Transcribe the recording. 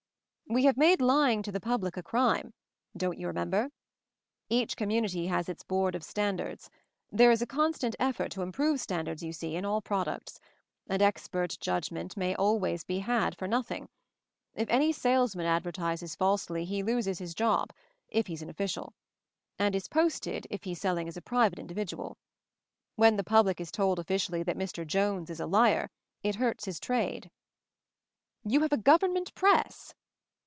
"We have made lying to the public ay crime — don't you remember? Each com munity has its Board of Standards; there is a constant effort to improve standards you x see, in all products; and expert judgment may always be had, for nothing. If any salesman advertises falsely he loses his job, if he's an official; and is posted, if he's sell \ ing as a private individual. When the public is told officially that Mr. Jones is a liar it hurts his trade." 232 MOVING THE MOUNTAIN "You have a Government Press?"